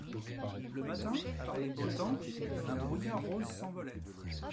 Le matin, par les beaux temps, un brouillard rose s’envolait.